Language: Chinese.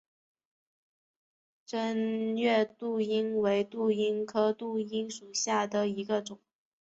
滇越杜英为杜英科杜英属下的一个种。